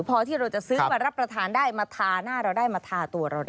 พอที่เราจะซื้อมารับประทานได้มาทาหน้าเราได้มาทาตัวเราได้